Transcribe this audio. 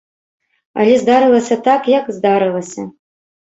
Але здарылася так, як здарылася.